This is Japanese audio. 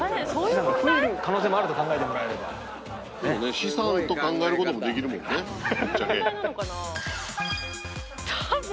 資産と考えることもできるもんねぶっちゃけ。